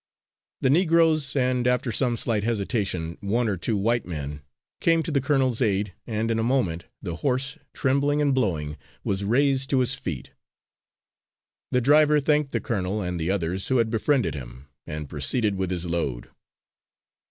The Negroes, and, after some slight hesitation, one or two white men, came to the colonel's aid, and in a moment, the horse, trembling and blowing, was raised to its feet. The driver thanked the colonel and the others who had befriended him, and proceeded with his load.